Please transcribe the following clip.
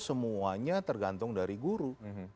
semuanya tergantung dari guru